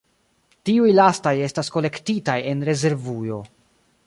Tiuj lastaj estas kolektitaj en rezervujo.